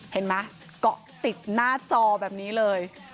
เห็นไหมเกาะติดหน้าจอแบบนี้เลย